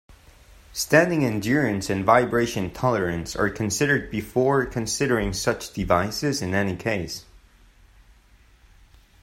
Standing endurance and vibration tolerance are considered before considering such devices in any case.